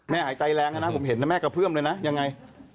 หายใจแรงนะผมเห็นนะแม่กระเพื่อมเลยนะยังไง